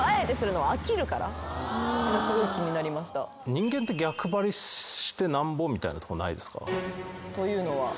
人間って逆張りしてなんぼみたいなとこないですか？というのは？